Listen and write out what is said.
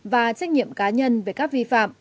và trách nhiệm cá nhân về các vi phạm